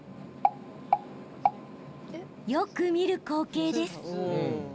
よく見る光景です。